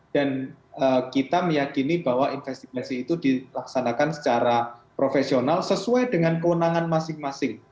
dan kita meyakini bahwa investigasi itu dilaksanakan secara profesional sesuai dengan keunangan masing masing